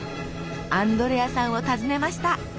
アンドレアさんを訪ねました。